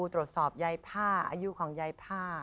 ตรวจสอบยายผ้าอายุของยายผ้า